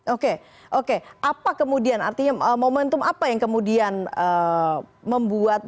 oke oke apa kemudian artinya momentum apa yang kemudian membuat